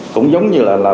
cũng giống như là